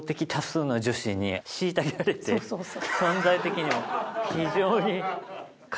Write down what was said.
存在的にも非常に。